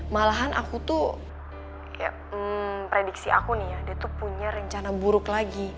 malahan aku tuh prediksi aku nih ya dia tuh punya rencana buruk lagi